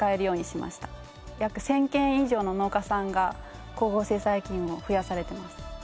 約千軒以上の農家さんが光合成細菌を増やされています。